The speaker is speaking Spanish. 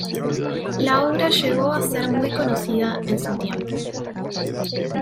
La obra llegó a ser muy conocida en su tiempo.